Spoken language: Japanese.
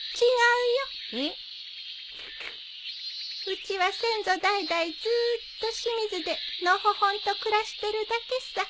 うちは先祖代々ずーっと清水でのほほんと暮らしてるだけさ。